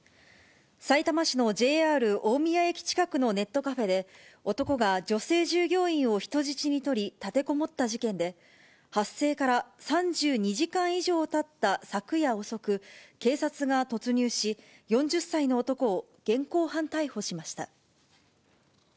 さいたま市のＪＲ大宮駅近くのネットカフェで、男が女性従業員を人質に取り、立てこもった事件で、発生から３２時間以上たった昨夜遅く、警察が突入し、４０歳の男を現行犯逮捕しました。